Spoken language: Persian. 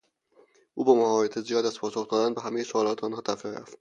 او با مهارت زیاد از پاسخ دادن به همهی سئوالات آنها طفره رفت.